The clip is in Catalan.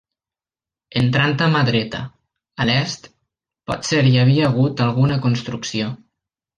Entrant a mà dreta, a l'est, potser hi havia hagut alguna construcció.